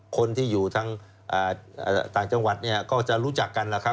คนที่อยู่ทางต่างจังหวัดเนี่ยก็จะรู้จักกันแล้วครับ